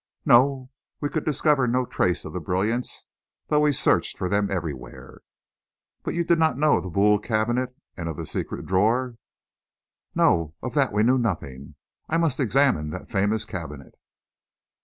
"No; we could discover no trace of the brilliants, though we searched for them everywhere." "But you did not know of the Boule cabinet and of the secret drawer?" "No; of that we knew nothing. I must examine that famous cabinet."